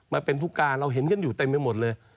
มาเป็นผู้การเราเห็นกันอยู่เต็มไปหมดเลย